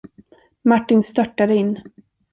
Martin störtade in.